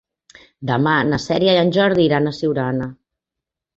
Demà na Cèlia i en Jordi iran a Siurana.